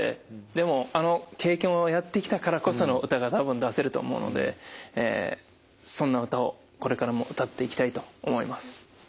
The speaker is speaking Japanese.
でもあの経験をやってきたからこその歌が多分出せると思うのでそんな歌をこれからも歌っていきたいと思います。